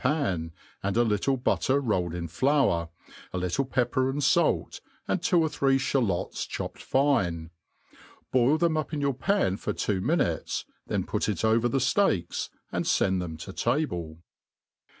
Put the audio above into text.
pan, and a liuie better roiled in flour, a little pepper and fait, and two or three (halots chopped fine ^ boil them up in your pan for two minutes, then put it ov, er the ileaks^ and fend them 10 table.